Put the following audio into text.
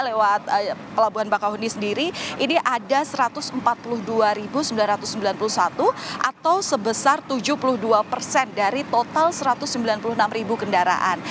lewat pelabuhan bakauheni sendiri ini ada satu ratus empat puluh dua sembilan ratus sembilan puluh satu atau sebesar tujuh puluh dua persen dari total satu ratus sembilan puluh enam ribu kendaraan